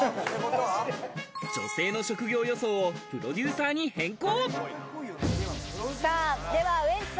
女性の職業予想をプロデューサーに変更。